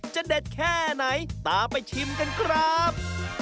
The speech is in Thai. เด็ดแค่ไหนตามไปชิมกันครับ